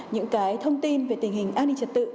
những cái thông tin về tình hình an ninh trật tự